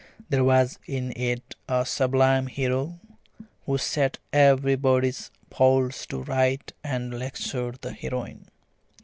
There was in it a sublime hero, who set everybody's faults to rights and lectured the heroine.